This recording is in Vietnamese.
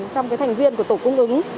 trong cái thành viên của tổ cung ứng